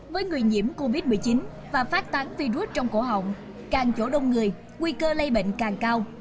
với người nhiễm covid một mươi chín và phát tán virus trong cổ họng càng chỗ đông người nguy cơ lây bệnh càng cao